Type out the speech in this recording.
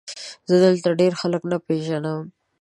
زه دلته ډېر خلک نه پېژنم ؟